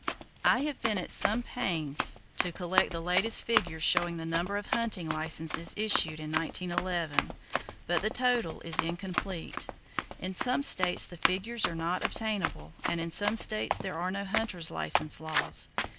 I have been at some pains to collect the latest figures showing the number of hunting licenses issued in 1911, but the total is incomplete. In some states the figures are not obtainable, and in some states there are no hunters' license laws.